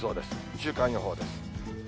週間予報です。